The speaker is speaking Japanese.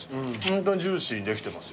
ホントにジューシーにできてますよ。